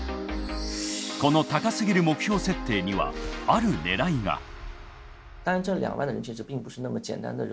この高すぎる目標設定にはある狙いが。